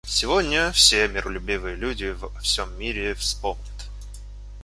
Сегодня все миролюбивые люди во всем мире вспомнят.